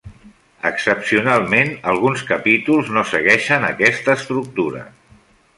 Excepcionalment alguns capítols no segueixen aquesta estructura.